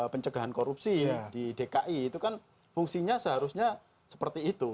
pencegahan korupsi di dki itu kan fungsinya seharusnya seperti itu